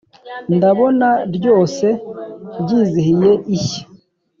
ndabona ryose ryizihiye ishya »